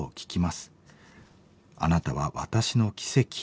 『あなたは私の奇跡